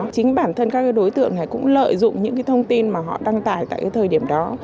chính bản thân các đối tượng này cũng lợi dụng những thông tin mà họ đăng tải tại cái thời điểm đó